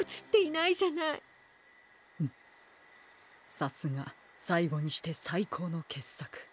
さすがさいごにしてさいこうのけっさく。